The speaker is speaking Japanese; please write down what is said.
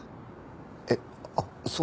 えっあっそうなの？